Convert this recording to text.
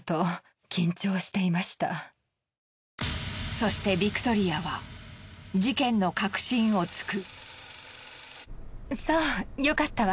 そしてビクトリアは事件の核心を突く。